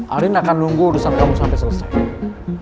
arin akan nunggu urusan kamu sampai selesai